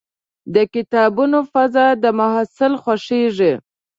د کتابتون فضا د محصل خوښېږي.